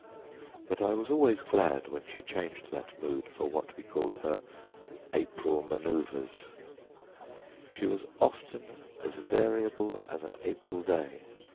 But I was always glad when she changed that mood for what we called her "April Manoeuvres." She was often as variable as an April day.